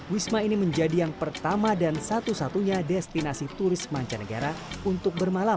wisma ini menjadi yang pertama dan satu satunya destinasi turis mancanegara untuk bermalam